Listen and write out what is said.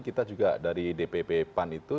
kita juga dari dpp pan itu